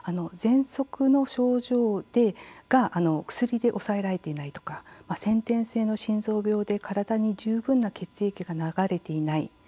ぜんそくの症状が薬で抑えられていないとか先天性の心臓病で体に十分な血液が流れていない。